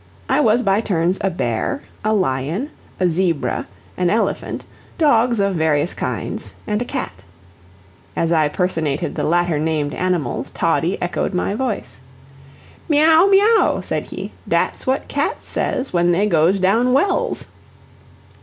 I was by turns a bear, a lion, a zebra, an elephant, dogs of various kinds, and a cat. As I personated the latter named animals, Toddie echoed my voice. "Miauw! Miauw!" said he, "dat's what cats saysh when they goesh down wells."